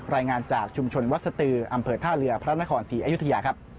รายงานจากชุมชนวัดสตืออำเภอท่าเรือพระนครศรีอยุธยาครับ